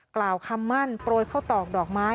กล่าวคำมั่นโปรยข้าวตอกดอกไม้